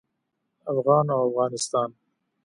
افغان او افغانستان